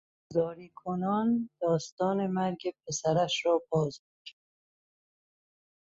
زاری کنان داستان مرگ پسرش را بازگو کرد.